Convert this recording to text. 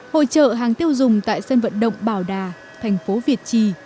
hội trợ hàng tiêu dùng tại sân vận động bảo đà thành phố việt trì